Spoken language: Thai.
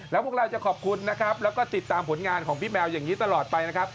แล้วพวกเราจะขอบคุณนะครับแล้วก็ติดตามผลงานของพี่แมวอย่างนี้ตลอดไปนะครับ